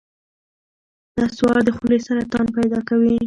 نسوار د خولې سرطان پیدا کوي.